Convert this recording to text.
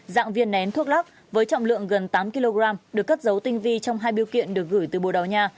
dạng viên nén thuốc lắc với trọng lượng gần tám kg được cất dấu tinh vi trong hai biêu kiện được gửi từ bồ đào nha